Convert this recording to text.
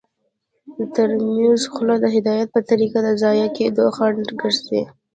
د ترموز خوله د هدایت په طریقه د ضایع کیدو خنډ ګرځي.